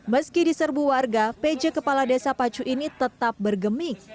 meski diserbu warga pj kepala desa pacu ini tetap bergemik